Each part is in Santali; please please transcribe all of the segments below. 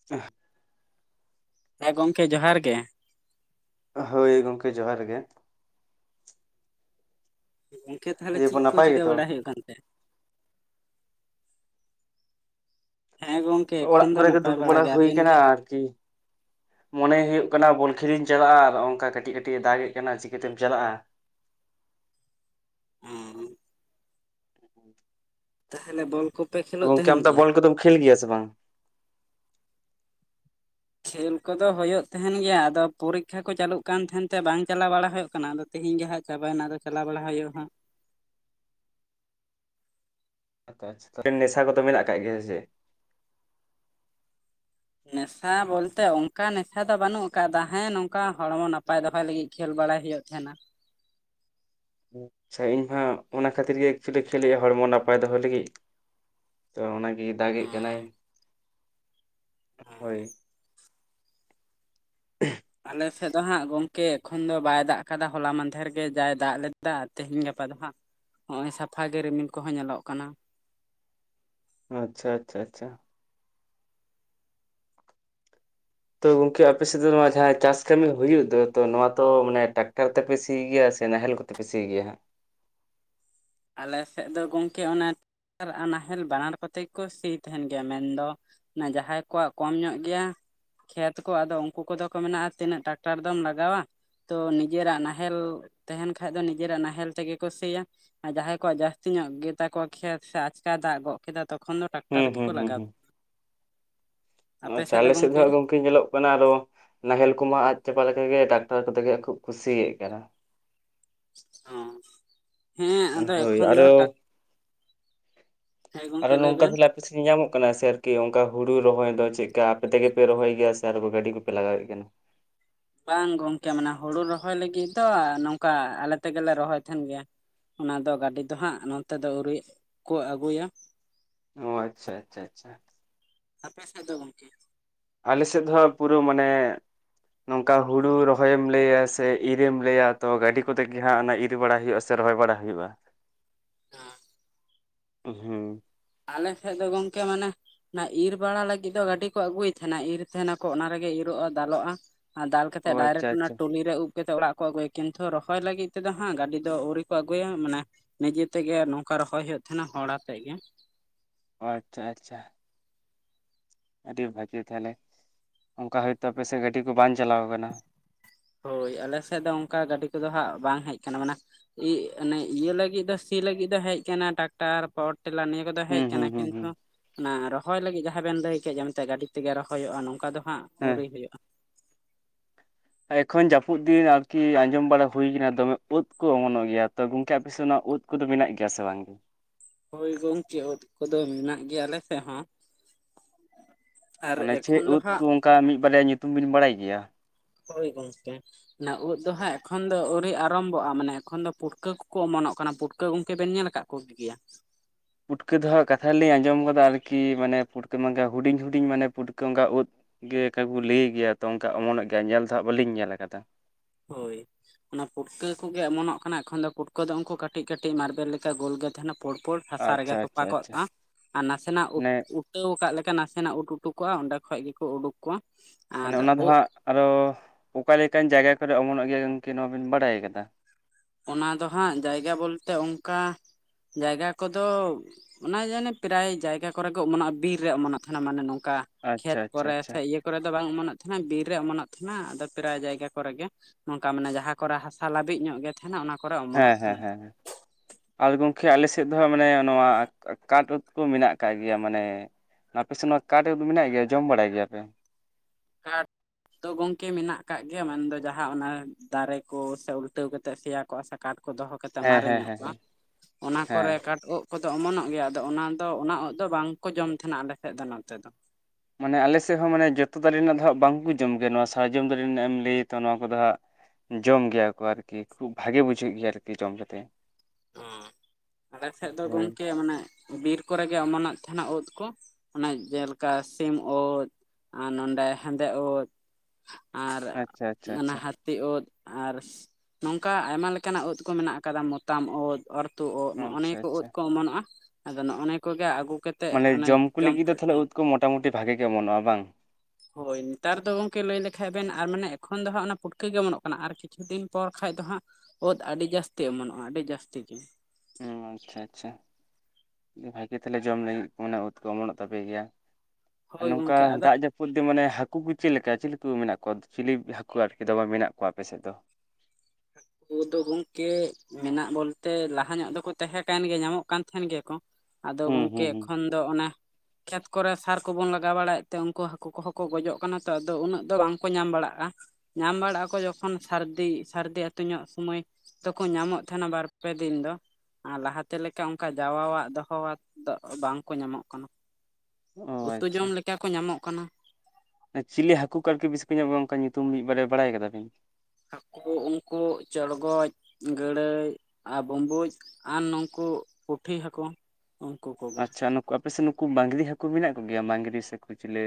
[unintelligible] ᱦᱮᱸ ᱜᱚᱢᱠᱮ ᱡᱚᱦᱟᱨ ᱜᱮ᱾ ᱦᱳᱭ ᱜᱚᱢᱠᱮ ᱡᱚᱦᱟᱨ ᱜᱮ᱾ ᱜᱚᱝᱠᱮ ᱛᱟᱦᱚᱞᱮ ᱫᱤᱭᱮᱯᱚᱨ ᱪᱤᱜ ᱠᱚ ᱱᱟᱯᱟᱭ ᱪᱤᱠᱟᱹ ᱜᱮᱛᱚ ᱵᱟᱲᱟ ᱦᱩᱭᱩᱜ ᱠᱟᱱ ᱛᱮ? ᱦᱮᱸ ᱜᱚᱝ ᱚᱲᱟᱜ ᱠᱚᱨᱮ ᱜᱮ ᱫᱩᱲᱩᱵ ᱵᱟᱲᱟ ᱦᱩᱭ ᱠᱟᱱᱟ ᱟᱨᱠᱤ᱾ ᱢᱚᱱᱮ ᱦᱩᱭᱩᱜ ᱠᱟᱱᱟ ᱵᱚᱞ ᱠᱷᱮᱞᱤᱧ ᱪᱟᱞᱟᱜ-ᱟ ᱟᱨ ᱦᱚᱜᱚᱝᱠᱟ ᱠᱟᱹᱴᱤᱡ ᱠᱟᱹᱴᱤᱡ ᱮ ᱫᱟᱜ ᱮᱜ ᱠᱟᱱᱟ ᱪᱤᱠᱟᱹᱛᱮᱢ ᱪᱟᱞᱟᱜ-ᱟ᱾ [inaudible] ᱛᱟᱦᱚᱞᱮ ᱵᱚᱞ ᱠᱚᱯ ᱜᱚᱝᱠᱮ ᱟᱢ ᱫᱚ ᱵᱚᱞ ᱠᱚᱫᱚᱢ ᱠᱷᱮᱞ ᱜᱮᱭᱟ ᱥᱮ ᱵᱟᱝ? ᱠᱷᱮᱞ ᱠᱚᱫᱚ ᱦᱩᱭᱩᱜ ᱛᱟᱦᱮᱱ ᱜᱮᱭᱟ ᱟᱫᱚ ᱯᱩᱨᱤᱠᱷᱟ ᱠᱚ ᱪᱟᱹᱞᱩᱜ ᱠᱟᱱ ᱛᱮᱦᱮ ᱛᱮ ᱵᱟᱝ ᱪᱟᱞᱟᱣ ᱵᱟᱲᱟ ᱦᱩᱭᱩᱜ ᱠᱟᱱᱟ ᱟᱫᱚ ᱛᱮᱦᱤᱧ ᱜᱮ ᱦᱟᱸᱜ ᱪᱟᱵᱟ ᱭᱮᱱᱟ ᱟᱫᱚ ᱪᱟᱞᱟᱣ ᱵᱟᱲᱟ ᱦᱩᱭᱩᱜ-ᱟ ᱦᱟᱜ᱾ [unintelligible] ᱱᱮᱥᱟ ᱠᱚᱫᱚ ᱢᱮᱱᱟᱜ ᱟᱠᱟᱜ ᱜᱮᱭᱟ ᱥᱮ ᱱᱮᱥᱟ ᱵᱚᱞᱛᱮ ᱚᱱᱠᱟ ᱱᱮᱥᱟ ᱫᱚ ᱵᱟᱹᱱᱩᱜ ᱟᱠᱟᱫᱟ ᱦᱮᱸ ᱱᱚᱝᱠᱟ ᱦᱚᱲᱢᱚ ᱱᱟᱯᱟᱭ ᱫᱚᱦᱚᱭ ᱞᱟᱹᱜᱤᱫ ᱠᱷᱮᱞ ᱵᱟᱲᱟᱭ ᱦᱩᱭᱩᱜ ᱛᱟᱦᱮᱱᱟ᱾ ᱟᱪᱪᱷᱟ ᱤᱧ ᱢᱟ ᱚᱱᱟ ᱠᱷᱟᱹᱛᱤᱨ ᱜᱮ ᱮᱠᱪᱩᱞᱤ ᱦᱚᱨᱢᱚᱱ ᱱᱟᱯᱟᱭ ᱫᱚᱦᱚᱭ ᱞᱟᱹᱜᱤᱫ ᱛᱚ ᱚᱱᱟᱜᱤ ᱫᱟᱜᱮᱜ ᱠᱟᱱᱟᱭ ᱦᱳᱭ᱾ [inaudible] ᱟᱞᱮ ᱥᱮᱜ ᱫᱚ ᱦᱟᱸᱜ ᱜᱚᱝᱠᱮ ᱮᱠᱷᱚᱱ ᱫᱚ ᱵᱟᱭ ᱫᱟᱜ ᱠᱟᱫᱟ ᱦᱚᱞᱟ ᱢᱟᱫᱷᱮᱨ ᱜᱮ ᱡᱟᱭ ᱫᱟᱜ ᱞᱮᱫᱟ ᱛᱮᱦᱮᱧ ᱜᱟᱯᱟ ᱫᱚ ᱦᱟᱸᱜ ᱦᱚᱜ ᱚᱭ ᱥᱟᱯᱷᱟ ᱜᱮ ᱨᱤᱢᱤᱞ ᱠᱚᱦᱚᱸ ᱧᱮᱞᱚᱜ ᱠᱟᱱᱟ᱾ ᱚ ᱟᱪᱪᱷᱟ ᱟᱪᱪᱷᱟ ᱟᱪᱪᱷᱟ᱾ ᱛᱚ ᱜᱚᱝᱠᱮ ᱟᱯᱮ ᱥᱮᱫ ᱫᱚ ᱱᱚᱣᱟ ᱡᱟᱦᱟᱸ ᱪᱟᱥ ᱠᱟᱹᱢᱤ ᱦᱩᱭᱩᱜ ᱫᱚ ᱛᱚ ᱱᱚᱣᱟ ᱛᱚ ᱢᱟᱱᱮ ᱴᱨᱟᱠᱴᱟᱨ ᱛᱮᱯᱮ ᱥᱤ ᱜᱮᱭᱟ ᱥᱮ ᱱᱟᱦᱮᱞ ᱥᱤᱭ ᱜᱮᱭᱟ ᱦᱟᱜ? ᱟᱞᱮ ᱥᱮᱜ ᱫᱚ ᱜᱚᱝᱠᱮ ᱚᱱᱟ ᱟᱨ ᱟᱨ ᱱᱟᱦᱮᱞ ᱵᱟᱱᱟᱨ ᱠᱚᱛᱮ ᱜᱮᱠᱚ ᱥᱤᱭ ᱛᱟᱦᱮᱱ ᱜᱮᱭᱟ ᱢᱮᱱᱫᱚ ᱚᱱᱟ ᱡᱟᱦᱟᱸᱭ ᱠᱚᱣᱟᱜ ᱠᱚᱢ ᱧᱚᱜ ᱜᱮᱭᱟ ᱠᱷᱮᱛ ᱠᱚ ᱟᱫᱚ ᱩᱱᱠᱩ ᱠᱚᱫᱚ ᱠᱚ ᱢᱮᱱᱟ ᱟᱨ ᱛᱤᱱᱟᱹᱜ ᱴᱨᱟᱠᱴᱟᱨ ᱫᱚᱢ ᱞᱟᱜᱟᱣᱟ ᱛᱚ ᱱᱤᱡᱮᱨᱟᱜ ᱱᱟᱦᱮᱞ ᱛᱟᱦᱮᱱ ᱠᱷᱟᱡ ᱫᱚ ᱱᱤᱡᱮᱨᱟᱜ ᱱᱟᱦᱮᱞ ᱛᱮᱜᱮ ᱠᱚ ᱥᱤᱭᱟ᱾ ᱟᱨ ᱡᱟᱦᱟᱸᱭ ᱠᱚᱣᱟᱜ ᱡᱟᱹᱥᱛᱤ ᱧᱚᱜ ᱜᱮᱛᱟ ᱠᱚᱣᱟ ᱠᱷᱮᱛ ᱥᱮ ᱟᱪᱠᱟ ᱫᱟᱜ ᱜᱚᱜ ᱠᱮᱫᱟ ᱛᱚᱠᱷᱚᱱ ᱫᱚ ᱴᱨᱟᱠᱴᱟᱨ ᱦᱩᱸ ᱦᱩᱸ ᱛᱮᱠᱚ ᱦᱩᱸ ᱞᱟᱜᱟ ᱦᱩᱸ ᱟᱪᱪᱷᱟ ᱟᱞᱮ ᱥᱮᱜ ᱫᱚᱦᱟᱸᱜ ᱜᱚᱝᱠᱮ ᱧᱮᱞᱚᱜ ᱦᱩᱭᱩᱜ ᱠᱟᱱᱟ ᱟᱫᱚ ᱱᱟᱦᱮᱞ ᱠᱚᱢᱟ ᱟᱫ ᱪᱟᱵᱟ ᱞᱮᱠᱟ ᱜᱮ ᱰᱟᱠᱛᱟᱨ ᱠᱚᱛᱮᱜᱮ ᱠᱷᱩᱵ ᱠᱩᱥᱤ ᱠᱟᱱᱟ᱾ ᱚ ᱦᱮᱸ ᱟᱫᱚ ᱦᱳᱭ ᱮᱠᱷᱚᱱ ᱟᱨᱚ ᱫᱚ ᱴᱟᱠ ᱦᱮᱸ ᱟᱨᱚ ᱜᱚᱢᱠᱮ ᱞᱟᱹᱭ ᱱᱚᱝᱠᱟ ᱵᱮᱱ [unintelligible] ᱠᱩᱥᱤ ᱧᱟᱢᱚᱜ ᱠᱟᱱᱟ ᱥᱮ ᱟᱨᱠᱤ ᱚᱝᱠᱟ ᱦᱩᱲᱩ ᱨᱚᱦᱚᱭ ᱫᱚ ᱪᱤᱠᱟ ᱟᱯᱮ ᱛᱮᱜᱮ ᱯᱮ ᱨᱚᱦᱚᱭ ᱜᱮᱭᱟ ᱥᱮ ᱟᱨ ᱜᱟᱹᱰᱤ ᱠᱚᱯᱮ ᱞᱟᱜᱟᱣᱮ ᱠᱟᱱᱟ? ᱵᱟᱝ ᱜᱚᱝᱠᱮ ᱢᱟᱱᱮ ᱦᱩᱲᱩ ᱨᱚᱦᱚᱭ ᱞᱟᱹᱜᱤᱜ ᱫᱚ ᱱᱚᱝᱠᱟ ᱟᱞᱮ ᱛᱮᱜᱮᱞᱮ ᱨᱚᱦᱚᱭ ᱛᱟᱦᱮᱱ ᱜᱮᱭᱟ᱾ ᱚᱱᱟ ᱫᱚ ᱜᱟᱹᱰᱤ ᱫᱚ ᱦᱟᱸᱜ ᱱᱚᱱᱛᱮ ᱫᱚ ᱟᱣᱨᱤ ᱠᱚ ᱟᱹᱜᱩᱭᱟ᱾ ᱚ ᱟᱪᱪᱷᱟ ᱟᱪᱪᱷᱟ ᱟᱪᱪᱷᱟ᱾ ᱟᱯᱮ ᱥᱮᱜ ᱫᱚ? ᱟᱞᱮ ᱥᱮᱜ ᱫᱚ ᱦᱟᱜ ᱯᱩᱨᱟᱹ ᱢᱟᱱᱮ ᱱᱚᱝᱠᱟ ᱦᱩᱲᱩ ᱨᱚᱦᱚᱭᱮᱢ ᱞᱟᱹᱭᱟ ᱥᱮ ᱤᱨᱮᱢ ᱞᱟᱹᱭᱟ ᱛᱚ ᱜᱟᱹᱰᱤ ᱠᱚᱛᱮᱜ ᱜᱮ ᱦᱟᱸᱜ ᱚᱱᱟ ᱤᱨ ᱵᱟᱲᱟ ᱦᱩᱭᱩᱜ-ᱟ᱾ ᱥᱮ ᱨᱚᱦᱚᱭ ᱵᱟᱲᱟ ᱦᱩᱭᱩᱜ-ᱟ᱾ [inaudible] [inaudible] ᱟᱞᱮ ᱥᱮᱜ ᱫᱚ ᱜᱚᱝᱠᱮ ᱢᱟᱱᱮ ᱚᱱᱟ ᱤᱨ ᱵᱟᱲᱟ ᱞᱟᱹᱜᱤᱫ ᱫᱚ ᱜᱟᱹᱰᱤ ᱠᱚ ᱟᱹᱜᱩᱭ ᱛᱟᱦᱮᱱᱟ ᱤᱨ ᱛᱟᱦᱮᱱᱟᱠᱚ ᱚᱱᱟ ᱨᱮᱜᱮ ᱤᱨᱚᱜ-ᱟ ᱫᱟᱞᱚᱜ-ᱟ᱾ ᱟᱨ ᱫᱟᱞ ᱠᱟᱛᱮᱜ ᱚ ᱟᱪᱪᱷᱟ ᱰᱟᱭᱨᱮᱠᱴ ᱚᱱᱟ ᱟᱪᱪᱷᱟ ᱴᱚᱞᱤ ᱨᱮ ᱩᱵ ᱠᱟᱹᱛᱮ ᱚᱲᱟᱜ ᱠᱚ ᱟᱹᱜᱩᱭᱟ ᱠᱤᱱᱛᱩ ᱨᱚᱦᱚᱭ ᱞᱟᱹᱜᱤᱫ ᱛᱚ ᱦᱟᱸᱜ ᱜᱟᱹᱰᱤ ᱫᱚ ᱟᱹᱣᱨᱤ ᱠᱚ ᱟᱹᱜᱩᱭᱟ ᱢᱟᱱᱮ ᱱᱤᱡᱮ ᱛᱮᱜᱮ ᱱᱚᱝᱠᱟ ᱨᱚᱦᱚᱭ ᱦᱩᱭᱩᱜ ᱛᱟᱦᱮᱸᱱᱟ ᱦᱚᱲ ᱟᱛᱮᱫ ᱜᱮ᱾ ᱟᱪᱪᱷᱟ ᱟᱪᱪᱷᱟ ᱟᱹᱰᱤ ᱵᱷᱟᱜᱤ ᱛᱟᱦᱚᱞᱮ ᱚᱱᱠᱟ ᱦᱳᱭᱛᱳ ᱟᱯᱮᱥᱮᱫ ᱜᱟᱹᱰᱤ ᱠᱚ ᱵᱟᱝ ᱪᱟᱞᱟᱣ ᱟᱠᱟᱱᱟ᱾ ᱦᱳᱭ ᱟᱞᱮ ᱥᱮᱫ ᱫᱚ ᱚᱱᱠᱟ ᱜᱟᱹᱰᱤ ᱠᱚᱫᱚ ᱦᱟᱸᱜ ᱵᱟᱝ ᱦᱮᱡ ᱟᱠᱟᱱᱟ ᱢᱟᱱᱮ ᱤ ᱤᱭᱟᱹ ᱞᱟᱹᱜᱤᱫ ᱫᱚ ᱥᱤ ᱞᱟᱹᱜᱤᱫ ᱫᱚ ᱦᱮᱡ ᱟᱠᱟᱱᱟ ᱴᱟᱠᱴᱟᱨ ᱯᱟᱣᱟᱨ ᱴᱮᱞᱟᱨᱱᱤ᱾ ᱠᱚᱫᱚ ᱦᱮᱡ ᱦᱩᱸ ᱦᱩᱸ ᱟᱠᱟᱱᱟ ᱦᱩᱸ ᱠᱤᱱᱛᱩ ᱦᱩᱸ ᱚᱱᱟ ᱨᱚᱦᱚᱭ ᱞᱟᱹᱜᱤᱫ ᱡᱟᱦᱟᱸ ᱵᱮᱱ ᱞᱟᱹᱭ ᱠᱮᱫ ᱮᱱᱛᱮᱫ ᱜᱟᱹᱰᱤ ᱛᱮᱜᱮ ᱨᱚᱦᱚᱭᱚᱜᱼᱟ ᱱᱚᱝᱠᱟ ᱫᱚ ᱦᱟᱸᱜ ᱦᱮᱸ ᱟᱣᱨᱤ ᱦᱩᱭᱩᱜᱼᱟ᱾ ᱮᱠᱷᱚᱱ ᱡᱟᱹᱯᱩᱫ ᱫᱤᱱ ᱟᱨᱠᱤ ᱟᱸᱡᱚᱢ ᱵᱟᱲᱟ ᱦᱩᱭ ᱟᱠᱟᱱᱟ ᱫᱚᱢᱮ ᱩᱫ ᱠᱚ ᱚᱢᱚᱱᱚᱜ ᱜᱮᱭᱟ ᱛᱚ ᱜᱚᱝᱠᱮ ᱟᱯᱮ ᱥᱮᱫ ᱚᱱᱟ ᱩᱫ ᱠᱚ ᱫᱚ ᱢᱮᱱᱟᱜ ᱜᱮᱭᱟ ᱥᱮ ᱵᱟᱝ? ᱦᱳᱭ ᱜᱚᱝᱠᱮ ᱩᱫ ᱠᱚᱫᱚ ᱢᱮᱱᱟᱜ ᱜᱮᱭᱟ ᱟᱞᱮ ᱥᱮᱫ ᱦᱚᱸ᱾ ᱟᱨ ᱢᱟᱱᱮ ᱮᱠᱷᱚᱱ ᱪᱮᱫ ᱫᱚ ᱩᱫ ᱠᱚ ᱦᱟᱸᱜ ᱚᱱᱠᱟ ᱢᱤᱫ ᱵᱟᱨᱮᱭᱟ ᱧᱩᱛᱩᱢ ᱵᱤᱱ ᱵᱟᱲᱟᱭ ᱜᱮᱭᱟ? ᱦᱳᱭ ᱜᱚᱝᱠᱮ ᱚᱱᱟ ᱩᱫ ᱫᱚ ᱦᱟᱸᱜ ᱮᱠᱷᱚᱱ ᱫᱚ ᱟᱹᱣᱨᱤ ᱟᱨᱚᱢᱵᱷᱚᱜᱼᱟ ᱢᱟᱱᱮ ᱮᱠᱷᱚᱱ ᱫᱚ ᱯᱩᱴᱠᱟᱹ ᱠᱚᱠᱚ ᱚᱢᱚᱱᱚᱜ ᱠᱟᱱᱟ ᱯᱩᱴᱠᱟᱹ ᱜᱚᱝᱠᱮ ᱵᱮᱱ ᱧᱮᱞ ᱟᱠᱟᱫᱼᱟ? ᱠᱷᱩᱴ ᱜᱮᱭᱟ ᱯᱩᱴᱠᱟᱹ ᱫᱚ ᱦᱟᱸᱜ ᱠᱟᱛᱷᱟ ᱨᱮᱞᱤᱧ ᱟᱸᱡᱚᱢ ᱟᱠᱟᱫᱟ ᱟᱨᱠᱤ ᱢᱟᱱᱮ ᱯᱩᱴᱠᱟᱹ ᱦᱩᱰᱤᱧ ᱦᱩᱰᱤᱧ ᱢᱟᱱᱮ ᱯᱩᱴᱠᱟᱹ ᱚᱱᱠᱟ ᱩᱫ ᱜᱮ ᱚᱱᱠᱟ ᱠᱚ ᱞᱟᱹᱭ ᱜᱮᱭᱟ ᱛᱚ ᱚᱱᱠᱟ ᱚᱢᱚᱱᱚᱜ ᱜᱮᱭᱟ ᱧᱮᱞ ᱫᱚ ᱦᱟᱸᱜ ᱵᱟᱹᱞᱤᱧ ᱧᱮᱞ ᱟᱠᱟᱫᱟ᱾ ᱦᱳᱭ ᱚᱱᱟ ᱯᱩᱴᱠᱟᱹ ᱠᱚᱜᱮ ᱮᱢᱚᱱᱚᱜ ᱠᱟᱱᱟ ᱮᱠᱷᱚᱱ ᱫᱚ ᱯᱩᱴᱠᱟᱹ ᱫᱚ ᱩᱱᱠᱩ ᱠᱟᱹᱴᱤᱡ ᱠᱟᱹᱴᱤᱡ ᱢᱟᱨᱵᱮᱞ ᱞᱮᱠᱟ ᱜᱳᱞ ᱜᱮ ᱛᱟᱦᱮᱱᱟ᱾ ᱯᱳᱲ ᱯᱳᱲ ᱦᱟᱥᱟ ᱟᱪᱪᱷᱟ ᱨᱮᱜᱮ ᱛᱚᱯᱟ ᱟᱪᱪᱷᱟ ᱟᱪᱪᱷᱟ ᱠᱚᱜ-ᱟ ᱟᱨ ᱱᱟᱥᱮᱱᱟᱜ ᱢᱟᱱᱮ ᱠᱷᱩᱱᱴᱟᱹᱣ [unintelligible] ᱟᱠᱟᱫ ᱞᱮᱠᱟ ᱱᱟᱥᱮᱱᱟᱜ ᱩᱴ ᱚᱴᱚ ᱠᱚᱜᱼᱟ ᱚᱸᱰᱮ ᱠᱷᱚᱡ ᱜᱮᱠᱚ ᱩᱰᱩᱠ ᱠᱚᱣᱟ᱾ ᱟᱨ ᱢᱟᱱᱮ ᱚᱱᱟ ᱫᱚ ᱳᱜ ᱦᱟᱸᱜ ᱟᱨᱚ ᱚᱠᱟ ᱞᱮᱠᱟᱱ ᱡᱟᱭᱜᱟ ᱠᱚᱨᱮ ᱚᱢᱚᱱᱚᱜ ᱜᱮᱭᱟ ᱜᱚᱝᱠᱮ ᱱᱚᱣᱟ ᱵᱤᱱ ᱵᱟᱰᱟᱭ ᱟᱠᱟᱫᱟ? ᱚᱱᱟ ᱫᱚ ᱦᱟᱸᱜ ᱡᱟᱭᱜᱟ ᱵᱚᱞᱛᱮ ᱚᱱᱠᱟ ᱡᱟᱭᱜᱟ ᱠᱚᱫᱚ ᱚᱱᱟ ᱜᱮ ᱢᱟᱱᱮ ᱯᱨᱟᱭ ᱡᱟᱭᱜᱟ ᱠᱚᱨᱮ ᱜᱮ ᱚᱢᱚᱱᱚᱜᱼᱟ ᱵᱤᱨ ᱨᱮ ᱚᱢᱚᱱᱚᱜ ᱛᱟᱦᱮᱱᱟ ᱢᱟᱱᱮ ᱱᱚᱝᱠᱟ ᱟᱪᱪᱷᱟ ᱠᱷᱮᱛ ᱟᱪᱪᱷᱟ ᱠᱚᱨᱮ ᱟᱪᱪᱷᱟ ᱥᱮ ᱤᱭᱟᱹ ᱠᱚᱨᱮ ᱫᱚ ᱵᱟᱝ ᱚᱢᱚᱱᱚᱜ ᱛᱟᱦᱮᱱᱟ ᱵᱤᱨ ᱨᱮ ᱚᱢᱚᱱᱚᱜ ᱛᱟᱦᱮᱱᱟ ᱟᱫᱚ ᱯᱨᱟᱭ ᱡᱟᱭᱜᱟ ᱠᱚᱨᱮᱜᱮ᱾ ᱚᱱᱠᱟ ᱢᱟᱱᱮ ᱡᱟᱦᱟᱸ ᱠᱚᱨᱮ ᱦᱟᱥᱟ ᱞᱟᱹᱵᱤᱫ ᱧᱚᱜ ᱜᱮ ᱛᱟᱦᱮᱱᱟ ᱚᱱᱟ ᱠᱚᱨᱮ ᱚᱢᱚᱱᱚᱜ ᱦᱮᱸ ᱦᱮᱸ ᱛᱟᱦᱮᱱᱟ ᱦᱮᱸ ᱟᱨ ᱜᱚᱝᱠᱮ ᱟᱞᱮ ᱥᱮᱫ ᱫᱚ ᱢᱟᱱᱮ ᱱᱚᱣᱟ ᱠᱟᱴ ᱩᱫ ᱠᱚ ᱢᱮᱱᱟᱜ ᱟᱠᱟᱫ ᱜᱮᱭᱟ ᱢᱟᱱᱮ ᱟᱯᱮᱥᱮᱫ ᱱᱚᱣᱟ ᱠᱟᱴ ᱩᱫ ᱢᱮᱱᱟᱜ ᱜᱮᱭᱟ ᱡᱚᱢ ᱵᱟᱲᱟᱭ ᱜᱮᱭᱟᱯᱮ? ᱚᱱᱟᱨ ᱛᱚ ᱜᱚᱝᱠᱮ ᱢᱮᱱᱟᱜ ᱟᱠᱟᱫ ᱜᱮᱭᱟ ᱢᱮᱱᱫᱚ ᱡᱟᱦᱟᱸ ᱚᱱᱟ ᱫᱟᱨᱮ ᱠᱚ ᱥᱮ ᱩᱞᱴᱟᱹᱣ ᱠᱟᱛᱮᱫ ᱥᱮᱭᱟ ᱠᱚᱜᱼᱟ ᱥᱮ ᱠᱟᱴ ᱠᱚ ᱫᱚᱦᱚ ᱠᱟᱛᱮᱫ ᱦᱮᱸ ᱢᱟᱨᱮ ᱦᱮᱸ ᱧᱚᱜ ᱦᱮᱸ ᱦᱮᱸ ᱚᱱᱟ ᱦᱮᱸ ᱠᱚᱨᱮ ᱠᱟᱴ ᱩᱫ ᱠᱚᱫᱚ ᱚᱢᱚᱱᱚᱜ ᱜᱮᱭᱟ ᱟᱫᱚ ᱚᱱᱟᱫᱚ ᱚᱱᱟ ᱩᱫ ᱫᱚ ᱵᱟᱝᱠᱚ ᱡᱚᱢ ᱛᱟᱦᱮᱱᱟ ᱟᱞᱮᱥᱮᱫ ᱫᱚ ᱱᱚᱛᱮ ᱫᱚ᱾ ᱢᱟᱱᱮ ᱟᱞᱮ ᱥᱮᱫ ᱦᱚᱸ ᱢᱟᱱᱮ ᱡᱚᱛᱚ ᱫᱟᱨᱮ ᱨᱮᱱᱟᱜ ᱫᱚ ᱦᱟᱸᱜ ᱵᱟᱝᱠᱚ ᱡᱚᱢ ᱜᱮᱭᱟ ᱱᱚᱣᱟ ᱥᱟᱨᱡᱚᱢ ᱫᱟᱨᱮ ᱨᱮᱱᱟᱜ ᱮᱢ ᱞᱟᱹᱭᱟ ᱛᱚ ᱱᱚᱣᱟ ᱠᱚᱫᱚ ᱦᱟᱸᱜ᱾ ᱡᱚᱢ ᱜᱮᱭᱟ ᱠᱚ ᱟᱨᱠᱤ ᱵᱷᱟᱜᱮ ᱵᱩᱡᱷᱟᱹᱜ ᱜᱮᱭᱟ ᱟᱨᱠᱤ ᱡᱚᱢ ᱠᱟᱛᱮᱫ᱾ ᱦᱩᱸ ᱟᱞᱮ ᱥᱮᱫ ᱫᱚ ᱦᱳᱭ ᱜᱚᱝᱠᱮ ᱢᱟᱱᱮ ᱵᱤᱨ ᱠᱚᱨᱮᱜᱮ ᱚᱢᱚᱱᱚᱜ ᱛᱟᱦᱮᱱᱟ ᱩᱫ ᱠᱚ ᱚᱱᱟ ᱚᱱᱮ ᱡᱮᱞᱮᱠᱟ ᱥᱤᱢ ᱳᱫ᱾ ᱟᱨ ᱱᱚᱰᱮ ᱦᱮᱸᱫᱮ ᱩᱫ ᱟᱨ ᱟᱪᱪᱷᱟ ᱟᱪᱪᱷᱟ ᱚᱱᱟ ᱟᱪᱪᱷᱟ ᱦᱟᱹᱛᱤ ᱩᱫ ᱟᱨ ᱱᱚᱝᱠᱟ ᱟᱭᱢᱟ ᱞᱮᱠᱟᱱᱟᱜ ᱩᱫ ᱠᱚ ᱢᱮᱱᱟᱜ ᱟᱠᱟᱫᱟ ᱢᱚᱛᱟᱢ ᱩᱫ ᱟᱨ ᱛᱩᱫ ᱳᱫ ᱱᱚᱜᱼᱚ ᱟᱪᱪᱷᱟ ᱱᱤᱭᱟᱹ ᱠᱚ ᱟᱪᱪᱷᱟ ᱩᱫ ᱠᱚ ᱚᱢᱚᱱᱚᱜᱼᱟ ᱟᱫᱚ ᱱᱚᱜᱼ ᱱᱤᱭᱟᱹ ᱠᱚᱜᱮ ᱟᱹᱜᱩ ᱠᱟᱛᱮᱫ ᱢᱟᱱᱮ ᱚᱱᱮ ᱡᱚᱢ ᱠᱚ ᱞᱟᱹᱜᱤᱫ ᱫᱚ ᱦᱩᱭᱩᱜ ᱛᱟᱦᱞᱮ ᱠᱟᱱᱟ ᱩᱫ ᱠᱚ ᱢᱚᱴᱟᱢᱩᱴᱤ ᱵᱷᱟᱜᱮ ᱜᱮ ᱚᱢᱚᱱᱚᱜᱼᱟ ᱵᱟᱝ? ᱦᱳᱭ ᱱᱮᱛᱟᱨ ᱫᱚ ᱜᱚᱝᱠᱮ ᱞᱟᱹᱭ ᱞᱮᱠᱷᱟᱡ ᱵᱮᱱ ᱟᱨ ᱢᱟᱱᱮ ᱮᱠᱷᱚᱱ ᱫᱚ ᱦᱟᱸᱜ ᱚᱱᱟ ᱯᱩᱴᱠᱟᱹ ᱜᱮᱚᱢᱚᱱᱚᱜ ᱠᱟᱱᱟ ᱟᱨ ᱠᱤᱪᱷᱩ ᱫᱤᱱ ᱯᱚᱨ ᱠᱷᱟᱡ ᱫᱚ ᱦᱟᱸᱜ ᱳᱫ ᱟᱹᱰᱤ ᱡᱟᱹᱥᱛᱤ ᱚᱢᱚᱱᱚᱜᱼᱟ ᱟᱹᱰᱤ ᱡᱟᱹᱥᱛᱤ ᱜᱮ᱾ ᱟᱪᱪᱷᱟ ᱟᱪᱪᱷᱟ ᱵᱷᱟᱜᱮ ᱜᱮ ᱛᱟᱞᱮ ᱡᱚᱢ ᱞᱟᱹᱜᱤᱫ ᱢᱟᱱᱮ ᱩᱫ ᱠᱚ ᱚᱢᱚᱱᱚᱜ ᱛᱟᱯᱮ ᱜᱮᱭᱟ ᱟᱨ ᱦᱳᱭ ᱱᱚᱝᱠᱟ ᱜᱚᱝᱠᱮ ᱟᱫᱚ ᱫᱟᱜ ᱡᱟᱹᱯᱩᱫ ᱚᱫᱮ ᱢᱟᱱᱮ ᱦᱟᱹᱠᱩ ᱠᱚ ᱪᱮᱫ ᱞᱮᱠᱟ ᱪᱮᱫ ᱠᱚ ᱢᱮᱱᱟᱜ ᱠᱚᱣᱟ ᱪᱤᱞᱤ ᱦᱟᱹᱠᱩ ᱠᱚ ᱟᱨᱠᱤ ᱫᱚᱢᱮ ᱢᱮᱱᱟᱜ ᱠᱚᱣᱟ ᱟᱯᱮ ᱥᱮᱫ ᱫᱚ? ᱩᱫᱩ ᱫᱚ ᱜᱚᱝᱠᱮ ᱢᱮᱱᱟᱜ ᱵᱚᱞᱛᱮ ᱞᱟᱦᱟ ᱧᱚᱜ ᱫᱚᱠᱚ ᱛᱟᱦᱮᱸ ᱠᱟᱱ ᱜᱮᱭᱟ ᱧᱟᱢᱚᱜ ᱠᱟᱱ ᱛᱟᱦᱮᱱ ᱜᱮᱭᱟ ᱠᱚ᱾ ᱟᱫᱚ ᱦᱩᱸ ᱜᱚᱝᱠᱮ ᱦᱩᱸ ᱦᱩᱸ ᱮᱠᱷᱚᱱ ᱫᱚ ᱚᱱᱟ ᱠᱷᱮᱛ ᱠᱚᱨᱮ ᱥᱟᱨ ᱠᱚᱵᱚᱱ ᱞᱟᱜᱟᱣ ᱵᱟᱲᱟᱭᱮᱫ ᱛᱮ, ᱩᱱᱠᱩ ᱦᱟᱹᱠᱩ ᱠᱚᱦᱚᱸ ᱠᱚ ᱜᱚᱡᱚᱜ ᱠᱟᱱᱟ ᱛᱚ ᱟᱫᱚ ᱩᱱᱟᱹᱜ ᱫᱚ ᱵᱟᱝᱠᱚ ᱧᱟᱢ ᱵᱟᱲᱟᱜᱼᱟ᱾ ᱧᱟᱢ ᱵᱟᱲᱟᱜᱼᱟ ᱠᱚ, ᱡᱚᱠᱷᱚᱱ ᱥᱟᱹᱨᱫᱤ ᱥᱟᱹᱨᱫᱤ ᱟᱛᱩ ᱧᱚᱜ ᱥᱩᱢᱚᱭ ᱫᱚᱠᱚ ᱧᱟᱢᱚᱜ ᱛᱟᱦᱮᱸᱱᱟ ᱵᱟᱨᱯᱮ ᱫᱤᱱ ᱫᱚ ᱟᱨ ᱞᱟᱦᱟᱛᱮ ᱞᱮᱠᱟ ᱚᱱᱠᱟ ᱡᱟᱣᱟᱜ ᱫᱚᱦᱚᱣᱟ ᱫᱚ ᱵᱟᱝ ᱠᱚ ᱧᱟᱢᱚᱜ ᱠᱟᱱᱟ᱾ ᱚ ᱩᱛᱩ ᱟᱪᱪᱷᱟ ᱡᱚᱢ ᱞᱮᱠᱟ ᱠᱚ ᱧᱟᱢᱚᱜ ᱠᱟᱱᱟ᱾ ᱪᱤᱞᱤ ᱦᱟᱹᱠᱩ ᱠᱚ ᱟᱨᱠᱤ ᱵᱮᱥᱤ ᱠᱚ ᱧᱟᱢᱚᱜ ᱚᱱᱠᱟ ᱧᱩᱛᱩᱢ ᱢᱤᱫ ᱵᱟᱨᱭᱟ ᱵᱟᱲᱟᱭ ᱠᱟᱫᱟ ᱵᱤᱱ? ᱦᱟᱹᱠᱩ ᱩᱝᱠᱩ ᱪᱚᱲᱜᱚᱡ ᱜᱟᱹᱲᱟᱹᱭ ᱟᱨ ᱵᱩᱢᱵᱩᱡ᱾ ᱟᱨ ᱱᱩᱜ ᱠᱩ ᱯᱩᱴᱷᱤ ᱦᱟᱹᱠᱩ᱾ ᱩᱱᱠᱩ ᱠᱚ᱾ ᱟᱪᱪᱷᱟ ᱱᱩᱠᱩ ᱟᱯᱮ ᱥᱮᱜ ᱱᱩᱠᱩ ᱢᱟᱹᱝᱽᱨᱤ ᱦᱟᱹᱠᱩ ᱢᱮᱱᱟᱜ ᱠᱚᱜᱮᱭᱟ ᱢᱝᱽᱨᱤ ᱥᱮ ᱠᱷᱩᱪᱞᱟ?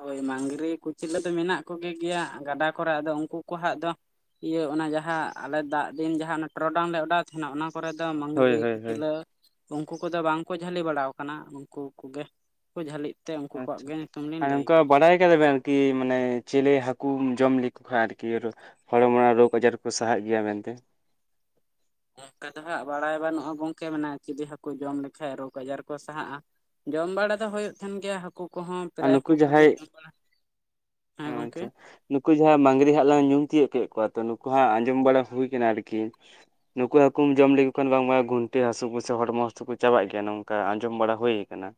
ᱦᱳᱭ ᱢᱟᱝᱽᱨᱤ ᱠᱩᱪᱤᱞᱟᱹ ᱫᱚ ᱢᱮᱱᱟᱜ ᱠᱚᱜᱮ ᱜᱮᱭᱟ ᱜᱟᱰᱟ ᱠᱚᱨᱮ ᱟᱫᱚ ᱩᱱᱠᱩ ᱠᱚ ᱦᱟᱜ ᱫᱚ ᱤᱭᱟᱹ ᱚᱱᱟ ᱡᱟᱦᱟᱸ ᱟᱞᱮ ᱫᱟᱜ ᱫᱤᱱ ᱡᱟᱦᱟᱸ ᱚᱱᱟ ᱴᱚᱨᱚᱰᱟᱝ ᱞᱮ ᱚᱰᱟᱣ ᱛᱟᱦᱮᱱᱟ ᱚᱱᱟ ᱠᱚᱨᱮ ᱫᱚ ᱦᱳᱭ ᱢᱟᱝᱽᱨᱤ ᱦᱳᱭ ᱦᱳᱭ ᱠᱩᱪᱞᱟᱹ ᱩᱱᱠᱩ ᱠᱚᱫᱚ ᱵᱟᱝᱠᱚ ᱡᱷᱟᱹᱞᱤ ᱵᱟᱲᱟ ᱠᱟᱱᱟ ᱱᱠᱝᱠᱩ ᱠᱚᱜᱮ ᱩᱱᱠᱩ ᱡᱷᱟᱹᱞᱤᱜ ᱛᱮ ᱩᱝᱠᱩ ᱠᱚᱣᱟᱜ ᱟᱪᱪᱷᱟ ᱜᱮ ᱧᱩᱛᱩᱢ ᱟᱨ ᱞᱤᱧ ᱞᱟᱹᱭ ᱱᱚᱝᱠᱟ ᱠᱮᱫᱟ ᱵᱟᱲᱟᱭ ᱠᱟᱫᱟ ᱵᱮᱱ ᱟᱨᱠᱤ ᱢᱟᱱᱮ ᱪᱤᱞᱮ ᱦᱟᱹᱠᱩᱢ ᱡᱚᱢ ᱞᱮᱠᱚ ᱠᱷᱟᱱ ᱟᱨᱠᱤ ᱦᱚᱲᱢᱚ ᱨᱮᱱᱟᱜ ᱨᱳᱜᱽ ᱟᱡᱟᱨ ᱠᱚ ᱥᱟᱦᱟᱜ ᱜᱮᱭᱟ ᱢᱮᱱᱛᱮ᱾ ᱚ ᱝᱠᱟ ᱫᱚ ᱦᱟᱸᱜ ᱵᱟᱲᱟᱭ ᱵᱟᱹᱱᱩᱜᱼᱟ᱾ ᱜᱚᱝᱠᱮ ᱢᱮ ᱡᱩᱫᱤ ᱦᱟᱹᱠᱩ ᱡᱚᱢ ᱞᱮᱠᱷᱟᱡ ᱨᱳᱜᱽ ᱟᱡᱟᱨ ᱠᱚ ᱥᱟᱦᱟᱜᱼᱟ᱾ ᱡᱚᱢ ᱵᱟᱲᱟ ᱫᱚ ᱦᱩᱭᱩᱜ ᱛᱟᱦᱮᱱ, ᱜᱮᱭᱟ ᱦᱟᱹᱠᱩ ᱠᱚᱦᱚᱸ ᱟᱨ ᱯᱨᱟᱭ ᱱᱩᱠᱩ ᱦᱟᱹᱠᱩ ᱠᱚᱜᱮ ᱡᱟᱦᱟᱸᱭ ᱡᱚᱢ ᱵᱟᱲᱟ [unintelligible] ᱦᱮᱸ ᱚ ᱜᱚᱝᱠᱮ ᱟᱪᱪᱷᱟ ᱱᱩᱠᱩ ᱡᱟᱦᱟᱸ ᱢᱟᱝᱽᱨᱤ ᱦᱟᱸᱜ ᱞᱟᱝ ᱧᱩᱢ ᱛᱤᱭᱳᱜ ᱠᱮᱫ ᱠᱚᱣᱟ, ᱛᱚ ᱱᱩᱠᱩ ᱦᱟᱸ ᱟᱸᱡᱚᱢ ᱵᱟᱲᱟ ᱦᱩᱭ ᱠᱟᱱᱟ ᱟᱨᱠᱤ ᱱᱩᱠᱩ ᱦᱟᱹᱠᱩᱢ ᱡᱚᱢ ᱞᱮᱠᱚ ᱠᱷᱟᱱ ᱵᱟᱝᱢᱟ ᱜᱩᱱᱴᱮ ᱦᱟᱹᱥᱩ ᱠᱚ ᱥᱮ ᱦᱚᱲᱢᱚ ᱦᱟᱹᱥᱩ ᱠᱚ ᱪᱟᱵᱟᱜ ᱜᱮᱭᱟ ᱱᱚᱝᱠᱟ ᱟᱸᱡᱚᱢ ᱵᱟᱲᱟ ᱦᱩᱭ ᱠᱟᱱᱟ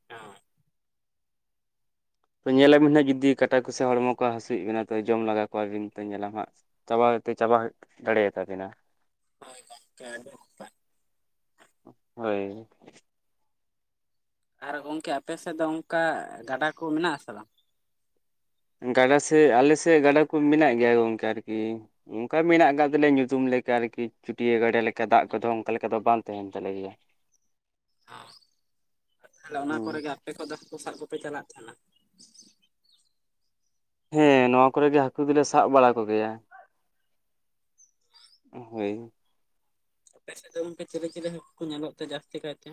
[unintelligible] ᱛᱚ ᱧᱮᱞ ᱟᱵᱤᱱ ᱦᱟᱸᱜ ᱡᱩᱫᱤ ᱠᱟᱴᱟ, ᱠᱚ ᱥᱮ ᱦᱚᱲᱢᱚ ᱠᱚ ᱦᱟᱹᱥᱩᱭᱮᱫ ᱵᱮᱱᱟ ᱛᱚ ᱡᱚᱢ ᱞᱟᱜᱟ ᱠᱚᱣᱟᱵᱤᱱ ᱛᱚ ᱧᱮᱞᱟᱢ ᱦᱟᱸᱜ ᱪᱟᱵᱟ ᱛᱮ ᱪᱟᱵᱟ ᱫᱟᱲᱮᱭᱟᱜ ᱛᱟᱵᱮᱱᱟ ᱾ ᱦᱳᱭ ᱜᱚᱝᱠᱮ ᱟᱹᱰᱤ ᱦᱳᱭ᱾ ᱟᱨ ᱜᱚᱝᱠᱮ ᱟᱯᱮ ᱥᱮᱫ ᱫᱚ ᱚᱝᱠᱟ ᱜᱟᱰᱟ ᱠᱚ ᱢᱮᱱᱟᱜ ᱟᱥᱮ ᱵᱟᱝ ᱜᱟᱰᱟ ᱥᱮᱜ ᱟᱞᱮᱥᱮᱫ ᱜᱟᱰᱟ ᱠᱚ ᱢᱮᱱᱟᱜ ᱜᱮᱭᱟ ᱜᱚᱝᱠᱮ ᱟᱨᱠᱤ ᱚᱷᱠᱟ ᱢᱮᱱᱟᱜ ᱟᱠᱟᱫ ᱛᱟᱞᱮᱭᱟ᱾ ᱧᱩᱛᱩᱢ ᱞᱮᱠᱟ ᱟᱨᱠᱤ ᱪᱩᱹᱴᱭᱟᱹ ᱜᱟᱰᱟ ᱞᱮᱠᱟ, ᱫᱟᱜ ᱠᱚᱫᱚ ᱚᱱᱠᱟ ᱞᱮᱠᱟ ᱫᱚ ᱵᱟᱝ ᱛᱟᱦᱮᱱ ᱛᱟᱞᱮ ᱜᱮᱭᱟ [inaudible] ᱚ ᱟᱨ ᱛᱟᱦᱚᱞᱮ ᱚᱱᱟ ᱦᱩᱸ ᱠᱚᱨᱮ ᱜᱮ ᱟᱯᱮ ᱠᱚᱫᱚ ᱦᱟᱹᱠᱩ ᱥᱟᱵ ᱠᱚᱯᱮ ᱪᱟᱞᱟᱜ ᱛᱟᱦᱮᱱᱟ᱾ ᱦᱮᱸ ᱱᱚᱣᱟ ᱠᱚᱨᱮ ᱜᱮ ᱦᱟᱹᱠᱩ ᱫᱚᱞᱮ ᱥᱟᱵ ᱵᱟᱲᱟ ᱠᱚ ᱜᱮᱭᱟ᱾ ᱦᱳᱭ᱾ ᱟᱯᱮ ᱥᱮᱫ ᱫᱚ ᱜᱚᱝᱠᱮ ᱪᱤᱞᱤ ᱪᱤᱞᱤ ᱦᱟᱹᱠᱩ ᱠᱚ ᱧᱮᱞᱚᱜ ᱛᱮ ᱡᱟᱹᱥᱛᱤ ᱠᱟᱭᱛᱮ?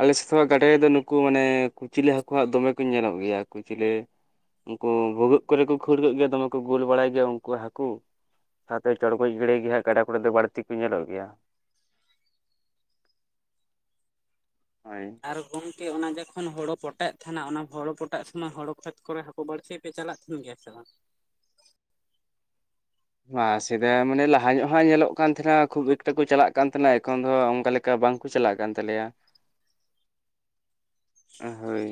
ᱟᱞᱮ ᱥᱮ ᱜᱟᱰᱟ ᱨᱮᱫᱚ ᱱᱩᱠᱩ ᱢᱟᱱᱮ ᱠᱩᱪᱞᱟᱹ ᱦᱟᱹᱠᱩ ᱦᱟᱜ ᱫᱚᱢᱮ ᱠᱚ ᱧᱮᱞᱚᱜ ᱜᱮᱭᱟ ᱠᱩᱪᱞᱟᱹ ᱩᱝᱠᱩ ᱵᱷᱩᱜᱟᱹᱜ ᱠᱚᱨᱮ ᱠᱚ ᱠᱷᱟᱹᱲ ᱠᱚᱜ ᱜᱮᱭᱟ ᱫᱚᱢᱮ ᱠᱚ ᱜᱳᱞ ᱵᱟᱲᱟᱭ ᱜᱮᱭᱟ ᱩᱱᱠᱩ ᱦᱟᱹᱠᱩ ᱥᱟᱶᱛᱮ ᱪᱚᱲᱜᱚᱡ ᱜᱟᱲᱟᱹᱭ ᱜᱮ ᱦᱟᱜ ᱜᱟᱰᱟ ᱠᱚᱨᱮ ᱫᱚ ᱵᱟᱹᱲᱛᱤ ᱠᱚ ᱧᱮᱞᱚᱜ ᱜᱮᱭᱟ᱾ ᱦᱳᱭ᱾ ᱟᱨ ᱜᱚᱝᱠᱮ ᱚᱱᱟ ᱡᱚᱠᱷᱚᱱ ᱦᱳᱲᱳ ᱯᱚᱴᱟᱭᱮᱫ, ᱛᱟᱦᱮᱱᱟ ᱚᱱᱟ, ᱦᱳᱲᱳ ᱯᱚᱴᱟᱜ ᱥᱚᱢᱚᱭ ᱦᱳ ᱠᱷᱮᱛ ᱠᱚᱨᱮ ᱠᱳ ᱵᱟᱹᱲᱥᱤ ᱯᱮ ᱪᱟᱞᱟᱜ ᱛᱟᱦᱮᱱ ᱜᱮᱭᱟ ᱥᱮ ᱵᱟᱝ ᱢᱟ ᱥᱮᱫᱟᱭ ᱢᱟᱱᱮ ᱞᱟᱦᱟ ᱧᱚᱜ ᱦᱟᱸᱜ ᱧᱮᱞᱚᱜ ᱠᱟᱱ, ᱛᱟᱦᱮᱱᱟ ᱠᱷᱩᱵ ᱮᱠᱴᱟ ᱠᱚ ᱪᱟᱞᱟᱜ ᱠᱟᱱ ᱛᱟᱦᱮᱱᱟ ᱮᱠᱷᱚᱱ ᱫᱚ ᱚᱱᱠᱟ ᱞᱮᱠᱟ ᱠᱟ ᱵᱟᱝᱠᱚ ᱪᱟᱞᱟᱜ ᱠᱟᱱ ᱛᱟᱞᱮᱭᱟ ᱦᱳᱭ